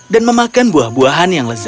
dan memakan buah buahan